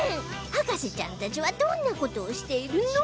博士ちゃんたちはどんな事をしているの？